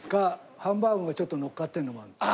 ハンバーグがちょっとのっかってるのもあるんですが。